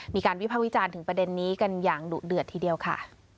วิภาควิจารณ์ถึงประเด็นนี้กันอย่างดุเดือดทีเดียวค่ะ